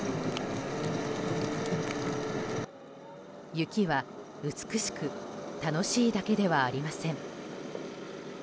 雪は美しく楽しいだけではありません。